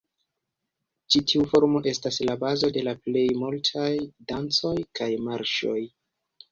Ĉi tiu formo estas la bazo de la plej multaj dancoj kaj marŝoj.